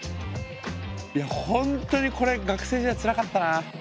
いや本当にこれ学生時代つらかったな。